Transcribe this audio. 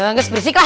nges bersik lah